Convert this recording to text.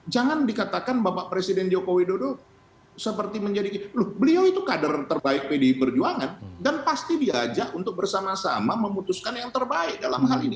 jokowi dodo seperti menjadi loh beliau itu kader terbaik pdi berjuangan dan pasti diajak untuk bersama sama memutuskan yang terbaik dalam hal ini